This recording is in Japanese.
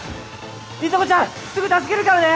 里紗子ちゃんすぐ助けるからね！